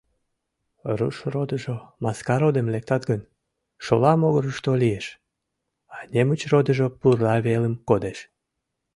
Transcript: Рушродыжо, Маскародым лектат гын, шола могырышто лиеш, а Немычродыжо пурла велым кодеш.